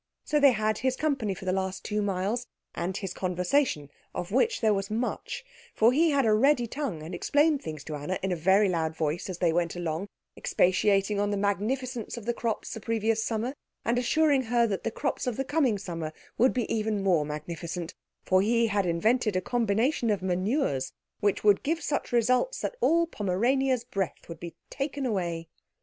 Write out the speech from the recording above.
So they had his company for the last two miles and his conversation, of which there was much; for he had a ready tongue, and explained things to Anna in a very loud voice as they went along, expatiating on the magnificence of the crops the previous summer, and assuring her that the crops of the coming summer would be even more magnificent, for he had invented a combination of manures which would give such results that all Pomerania's breath would be taken away.